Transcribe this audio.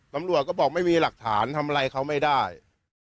ตำรวจก็บอกไม่มีหลักฐานทำอะไรเขาไม่ได้